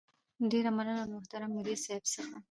ډېره مننه له محترم مدير صيب څخه